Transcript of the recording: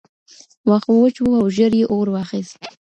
واښه وچ وو او ژر یې اور واخیست.